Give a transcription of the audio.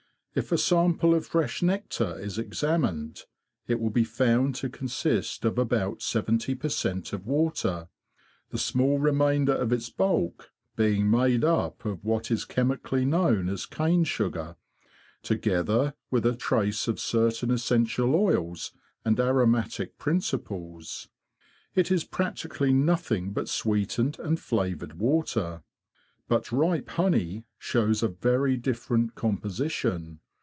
If a sample of fresh nectar is examined, it will be found to consist of about seventy per cent of water, the small remainder of its bulk being made up of what is chemically known as cane sugar, together with a trace of cer tain essential oils and aromatic principles. It is practically nothing but sweetened and flavoured water. But ripe honey shows a very different composition.